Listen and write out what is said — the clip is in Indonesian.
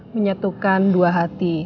menyatukan dua hati